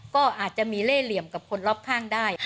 ก็อาจจะมีเล่เหลี่ยมกับคนรอบข้างได้